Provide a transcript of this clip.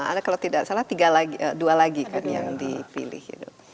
ada kalau tidak salah dua lagi kan yang dipilih